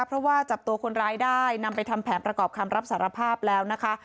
เพราะว่าจับตัวคนร้ายได้นำไปทำแผนประกอบคำรับสารภาพแล้วนะคะ